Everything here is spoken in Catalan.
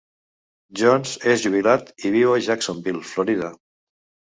Jones és jubilat i viu a Jacksonville, Florida.